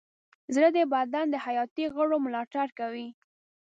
زړه د بدن د حیاتي غړو ملاتړ کوي.